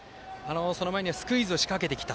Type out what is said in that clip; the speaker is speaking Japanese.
その前にはスクイズを仕掛けてきた。